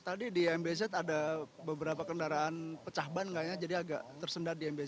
tadi di mbz ada beberapa kendaraan pecah ban nggak ya jadi agak tersendat di mbz